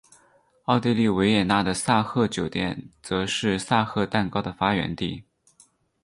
奥地利维也纳的萨赫酒店则是萨赫蛋糕的发源地。